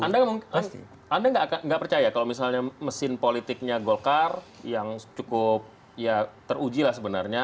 anda nggak percaya kalau misalnya mesin politiknya golkar yang cukup ya teruji lah sebenarnya